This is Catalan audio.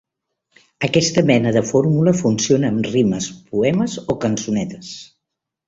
Aquesta mena de fórmula funciona amb rimes, poemes o cançonetes.